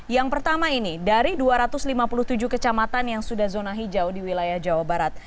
yang pertama ini dari dua ratus lima puluh tujuh kecamatan yang sudah zona hijau di wilayah jawa barat